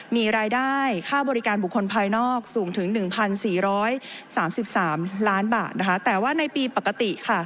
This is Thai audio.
มีรายได้ค่าบริการบุคคลภายนอกสูงถึงหนึ่งพันสี่ร้อยสามสิบสามล้านบาทนะคะแต่ว่าในปีปกติค่ะ